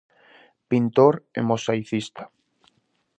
Pintor e mosaicista.